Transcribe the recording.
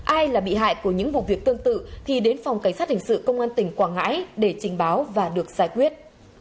ai là bị hại của những vụ việc tương tự thì đến phòng cảnh sát hình sự công an tỉnh quảng ngãi để trình báo và được giải quyết